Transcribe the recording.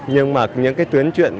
nhưng mà những cái tuyến chuyện